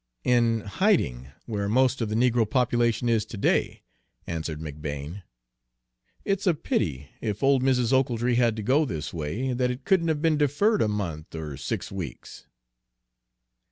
"In hiding, where most of the negro population is to day," answered McBane. "It's a pity, if old Mrs. Ochiltree had to go this way, that it couldn't have been deferred a month or six weeks."